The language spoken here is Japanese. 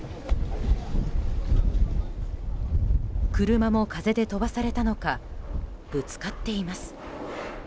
車も風で飛ばされたのかぶつかっています。